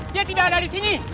dia tidak ada di sini